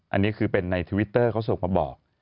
อันนี้คือเป็นในทวิตเตอร์เขาส่งมาบอก